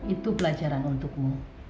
itu pelajaran untukmu